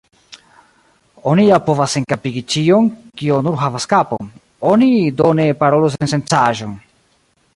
Oni ja povas senkapigi ĉion, kio nur havas kapon; oni do ne parolu sensencaĵon.